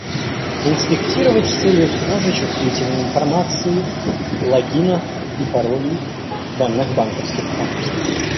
Инспектировать с целью кражи чувствительной информации: логинов и паролей, данных банковских карт